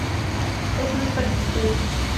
Es muy persistente.